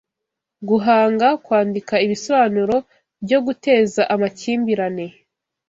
Guhanga Kwandika Ibisobanuro byo Guteza Amakimbirane